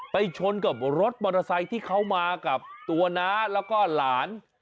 ชนกับรถมอเตอร์ไซค์ที่เขามากับตัวน้าแล้วก็หลาน